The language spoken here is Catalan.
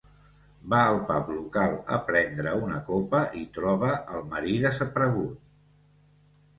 Va al pub local a prendre una copa i troba al marí desaparegut.